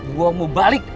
gue mau balik